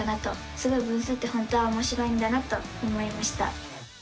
すごい分数って本当はおもしろいんだなと思いました！